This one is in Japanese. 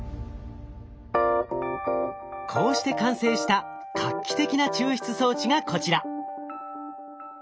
こうして完成した画期的な抽出装置がこちら。